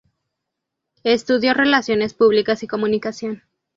Estudio Relaciones Públicas y Comunicación.